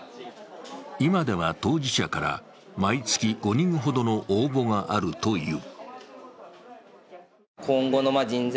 今では当事者から毎月５人ほどの応募があるという。